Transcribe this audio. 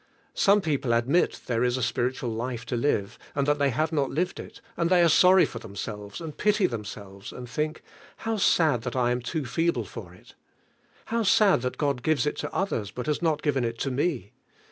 Some people admit there is a spiritual life to live, and that they have not lived it, and they are sorry for themselves, and pity themselves, and think, "How sad that I am too feeble for it! How sad that God gives it to others, but has not given it to me!"